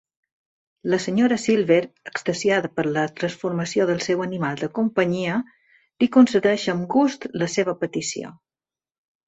La Sra Silver, extasiada per la transformació del seu animal de companyia, li concedeix amb gust la seva petició.